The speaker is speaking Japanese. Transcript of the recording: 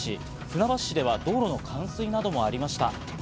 船橋市では道路の冠水などもありました。